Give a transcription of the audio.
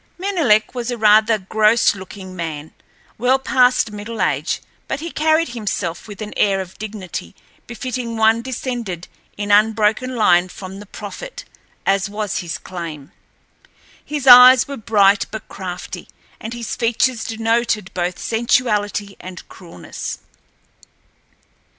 Menelek was a rather gross looking man, well past middle age, but he carried himself with an air of dignity befitting one descended in unbroken line from the Prophet—as was his claim. His eyes were bright but crafty, and his features denoted both sensuality and cruelness.